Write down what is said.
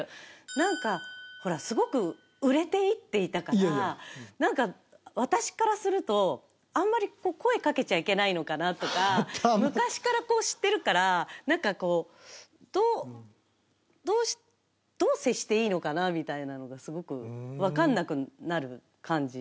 なんかほら、すごく売れていっていたから、なんか私からすると、あんまり声かけちゃいけないのかなとか、昔からこう、知ってるから、なんかこう、どう、どう接していいのかなみたいなのが、すごく分かんなくなる感じ。